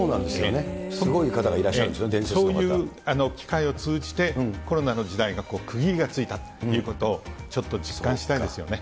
すごい方がいらっしゃるんでそういう機会を通じて、コロナの時代が区切りがついたということを、ちょっと実感したいですよね。